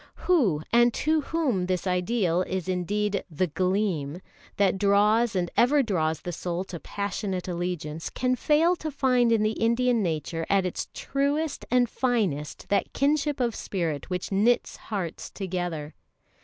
Who, to whom this ideal is indeed "The Gleam," that draws and ever draws the soul to passionate allegiance, can fail to find in the Indian nature at its truest and finest that kinship of spirit which knits hearts together?